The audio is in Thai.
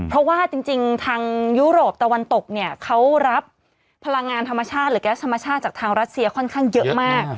เพราะว่าจริงทางยุโรปตะวันตกเนี่ยเขารับพลังงานธรรมชาติหรือแก๊สธรรมชาติจากทางรัสเซียค่อนข้างเยอะมาก